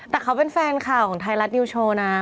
แต่เขาเป็นแฟนข่าวของไทยรัฐนิวโชว์นะ